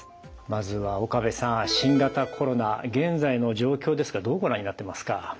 まずは岡部さん新型コロナ現在の状況ですがどうご覧になってますか？